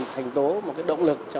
thành tố một động lực